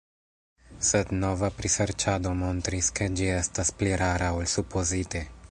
Sed nova priserĉado montris, ke ĝi estas pli rara ol supozite.